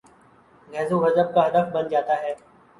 غیظ و غضب کا ہدف بن جا تا ہے۔